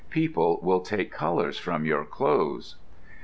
People will take colors from your clothes."